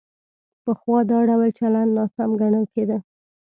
پخوا دا ډول چلند ناسم ګڼل کېده.